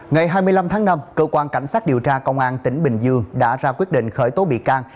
ngày hai mươi năm tháng năm cơ quan cảnh sát điều tra công an tỉnh bình dương đã ra quyết định khởi tố bị can